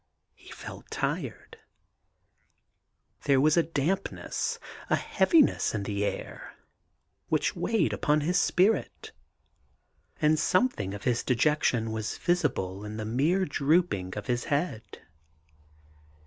He felt tired ; there was a dampness, a heaviness, in the air, which weighed upon his spirit; and something of 18 THE GARDEN GOD his dejection was visible in the mere drooping of his head.